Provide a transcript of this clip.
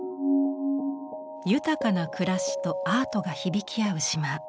豊かな暮らしとアートが響き合う島。